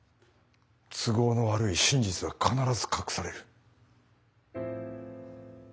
都合の悪い真実は必ず隠される。